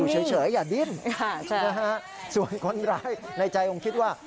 เฉยอย่าดิ้นส่วนคนร้ายในใจคงคิดว่า